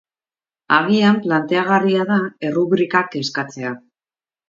Agian planteagarria da errubrikak eskatzea.